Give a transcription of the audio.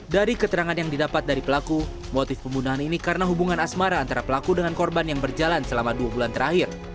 dari keterangan yang didapat dari pelaku motif pembunuhan ini karena hubungan asmara antara pelaku dengan korban yang berjalan selama dua bulan terakhir